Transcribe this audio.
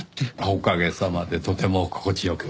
おかげさまでとても心地よく。